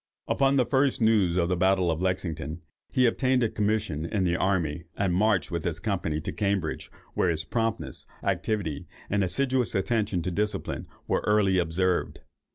Upon the first news of the battle of Lexington, he obtained a commission in the army, and marched with his company to Cambridge, where his promptness, activity, and assiduous attention to discipline, were early observed.